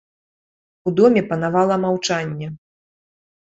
У доме панавала маўчанне.